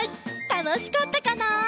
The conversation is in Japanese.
たのしかったかな？